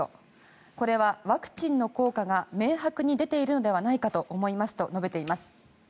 これはワクチンの効果が明白に出ているのではないかと思いますと述べています。